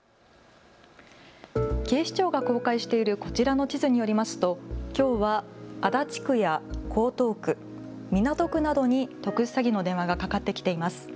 警視庁が公開しているこちらの地図によりますときょうは足立区や江東区、港区などに特殊詐欺の電話がかかってきています。